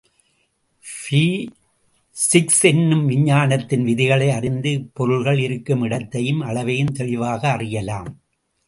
Physics என்னும் விஞ்ஞானத்தின் விதிகளை அறிந்து இப்பொருள்கள் இருக்கும் இடத்தையும், அளவையும் தெளிவாக அறியலாம்.